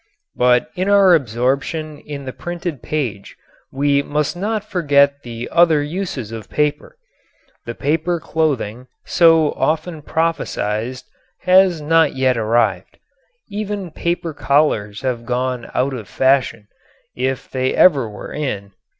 But in our absorption in the printed page we must not forget the other uses of paper. The paper clothing, so often prophesied, has not yet arrived. Even paper collars have gone out of fashion if they ever were in.